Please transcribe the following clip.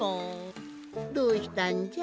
どうしたんじゃ？